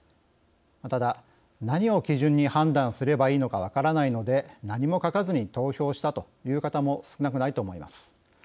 ただ、何を基準に判断すればいいのか分からないので何も書かずに投票したという方も少なくないと思います。